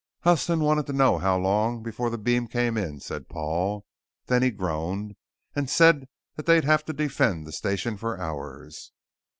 "Huston wanted to know how long before the beam came in," said Paul. "Then he groaned and said that they'd have to defend the station for hours."